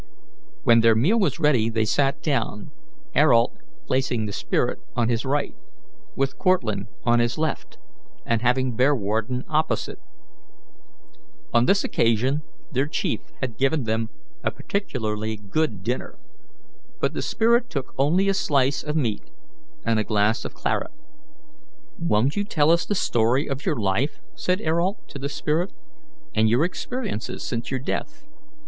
When their meal was ready they sat down, Ayrault placing the spirit on his right, with Cortlandt on his left, and having Bearwarden opposite. On this occasion their chief had given them a particularly good dinner, but the spirit took only a slice of meat and a glass of claret. "Won't you tell us the story of your life," said Ayrault to the spirit, "and your experiences since your death?